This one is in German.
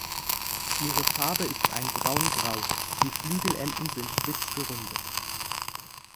Ihre Farbe ist ein Braun-Grau; die Flügelenden sind spitz gerundet.